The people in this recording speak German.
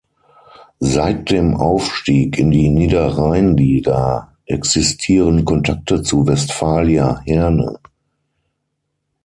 Seit dem Aufstieg in die Niederrheinliga existieren Kontakte zu Westfalia Herne.